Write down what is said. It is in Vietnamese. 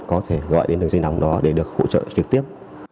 có thể gọi đến đường dây nóng đó để được hỗ trợ trực tiếp